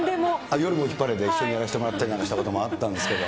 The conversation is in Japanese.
夜もヒッパレで一緒にやらせてもらったりしたことなんかもあったんですけど。